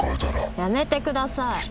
やめてください。